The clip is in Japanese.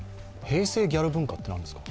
平成ギャル文化って何ですか？